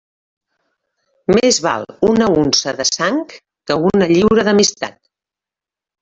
Més val una onça de sang que una lliura d'amistat.